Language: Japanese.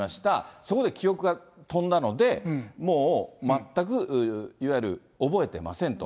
そこで記憶が飛んだので、もう全く、いわゆる覚えてませんと。